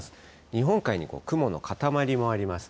日本海に雲のかたまりもあります。